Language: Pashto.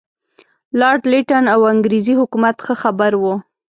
لارډ لیټن او انګریزي حکومت ښه خبر وو.